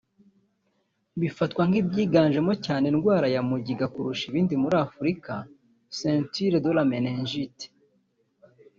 bifatwa nk’ibyiganjemo cyane indwara ya mugiga kurusha ibindi muri Afrika « ceinture de la méningite »